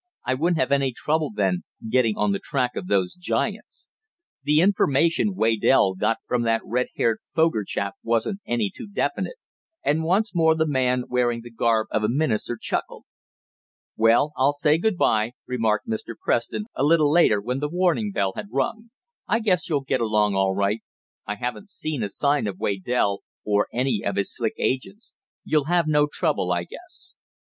I wouldn't have any trouble then, getting on the track of those giants. The information Waydell got from that red haired Foger chap wasn't any too definite," and once more the man wearing the garb of a minister chuckled. "Well, I'll say good bye," remarked Mr. Preston, a little later, when the warning bell had rung. "I guess you'll get along all right. I haven't seen a sign of Waydell, or any of his slick agents. You'll have no trouble I guess."